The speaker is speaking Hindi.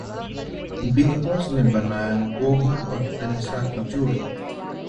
Bigg Boss ने बनाई गौहर और तनिषा की जोड़ी